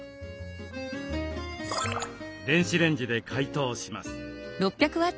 電子レンジで解凍します。